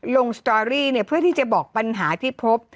สตอรี่เพื่อที่จะบอกปัญหาที่พบ